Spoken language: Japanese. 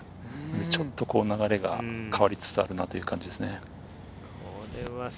ちょっと流れが変わりつつあるなという感じです。